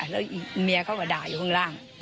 แล้วเมียเขาก็ด่าอยู่ข้างล่าง